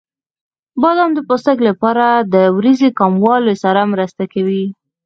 بادام د پوستکي لپاره د وریځو کموالي سره مرسته کوي.